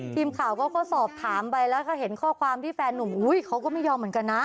ทีมข่าวก็สอบถามไปแล้วก็เห็นข้อความที่แฟนหนุ่มอุ้ยเขาก็ไม่ยอมเหมือนกันนะ